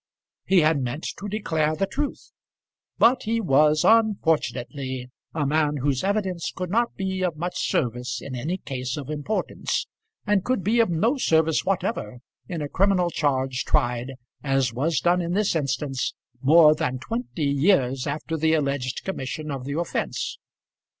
He had meant to declare the truth; but he was, unfortunately, a man whose evidence could not be of much service in any case of importance, and could be of no service whatever in a criminal charge tried, as was done in this instance, more than twenty years after the alleged commission of the offence.